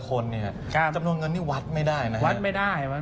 คนเนี่ยครับจำนวนเงินนี่วัดไม่ได้นะวัดไม่ได้